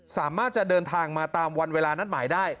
สามารถจะเดินทางมาตามวันเวลานัดหมายได้